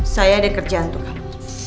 saya ada kerjaan untuk kamu